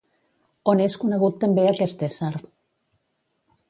On és conegut també aquest ésser